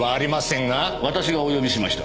私がお呼びしました。